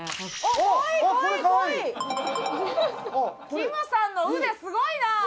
キムさんの腕すごいな！